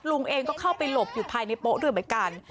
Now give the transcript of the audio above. ลุงเองก็เข้าไปหลบอยู่ภายในโป๊ะด้วยเหมือนกัน